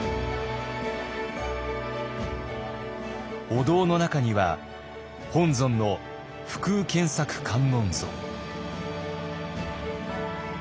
お堂の中には本尊の不空羂索観音像。